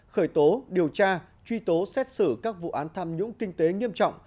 khởi tố điều tra truy tố xét xử các vụ án tham nhũng kinh tế nghiêm trọng